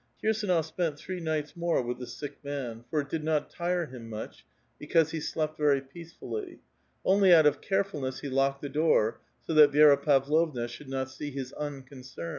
194 A VITAL QUESTION. Kirs&uof 8i)eiit three nights more with the sick man, for it did not tire him much, because he slept very peacefully ; only out of carefulness he locked the door, so that Vi^ra l*avlovna should not see his uucoucem.